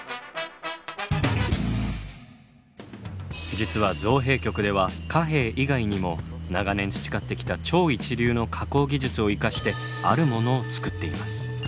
実は造幣局では貨幣以外にも長年培ってきた超一流の加工技術を生かしてあるものを造っています。